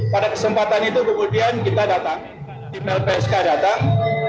pada kesempatan itu kemudian kita datang tim lpsk datang